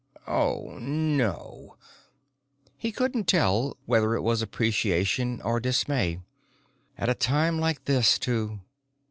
"Oh, no!" He couldn't tell whether it was appreciation or dismay. "At a time like this too."